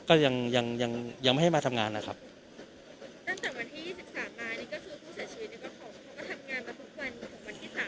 ก็ยังยังยังยังไม่ให้มาทำงานนะครับตั้งแต่วันที่ยี่สิบสามมานี่ก็คือผู้เสียชีวิตนี่ก็พอ